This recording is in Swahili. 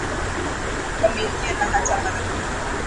familia na hata marafiki